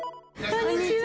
こんにちは。